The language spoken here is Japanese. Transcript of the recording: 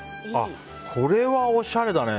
これは、おしゃれだね。